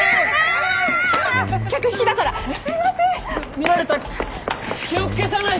見られた記憶消さないと！